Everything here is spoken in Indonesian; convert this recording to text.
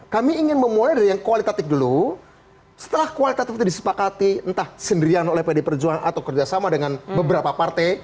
kami ingin memulai dari yang kualitatif dulu setelah kualitatif itu disepakati entah sendirian oleh pd perjuangan atau kerjasama dengan beberapa partai